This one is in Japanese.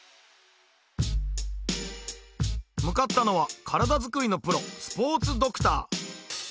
向かったのは体作りのプロスポーツドクター。